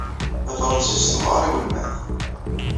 Tafṛensist tewɛeṛ i welmad.